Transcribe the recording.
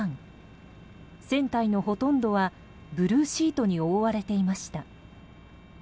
船体のほとんどはブルーシートに覆われていました。